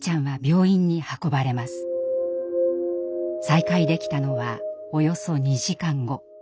再会できたのはおよそ２時間後。